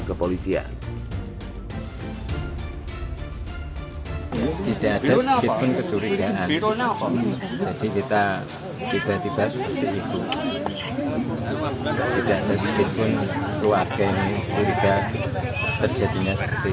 kepada pihak kepolisian